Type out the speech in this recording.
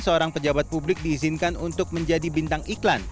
seorang pejabat publik diizinkan untuk menjadi bintang iklan